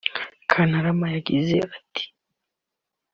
Kantarama yagize ati